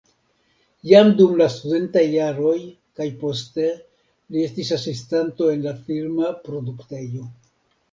Jam dum la studentaj jaroj kaj poste li estis asistanto en la filma produktejo.